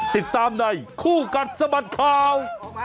ติดตามในคู่กัดสะบัดข่าว